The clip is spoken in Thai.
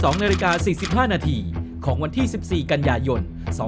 ๒นาฬิกา๔๕นาทีของวันที่๑๔กันยายน๒๕๖๒